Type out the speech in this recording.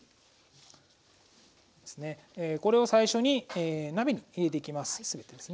これを最初に鍋に入れていきます